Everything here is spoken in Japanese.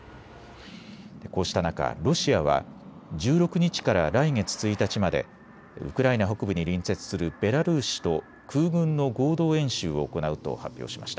こうした中、ロシアは１６日から来月１日までウクライナ北部に隣接するベラルーシと空軍の合同演習を行うと発表しました。